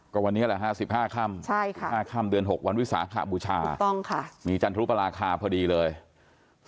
ก็วันนี้แหละ๕๕ค่ำเดือน๖วันวิสาขบุชามีจันทรุปราคาพอดีเลยถูกต้องค่ะ